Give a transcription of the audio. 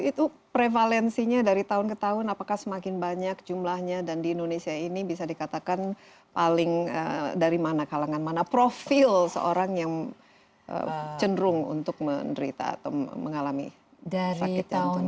itu prevalensinya dari tahun ke tahun apakah semakin banyak jumlahnya dan di indonesia ini bisa dikatakan paling dari mana kalangan mana profil seorang yang cenderung untuk menderita atau mengalami sakit jantung